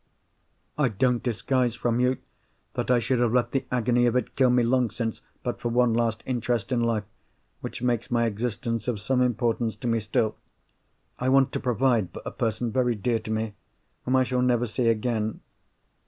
I don't disguise from you that I should have let the agony of it kill me long since, but for one last interest in life, which makes my existence of some importance to me still. I want to provide for a person—very dear to me—whom I shall never see again.